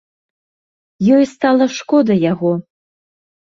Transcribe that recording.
Ёй стала шкода яго.